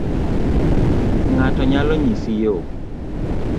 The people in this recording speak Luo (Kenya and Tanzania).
Ng'ato nyalo ng'isi yoo.